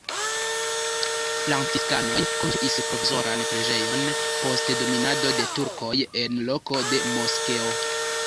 Franciskanoj konstruis provizoran preĝejon post dominado de turkoj en loko de moskeo.